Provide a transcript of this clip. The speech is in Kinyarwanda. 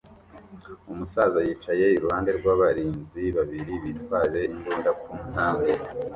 Umusaza yicaye iruhande rw'abarinzi babiri bitwaje imbunda ku ntambwe